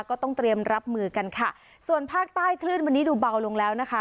ก็ต้องเตรียมรับมือกันค่ะส่วนภาคใต้คลื่นวันนี้ดูเบาลงแล้วนะคะ